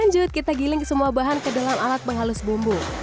lanjut kita giling semua bahan ke dalam alat menghalus bumbu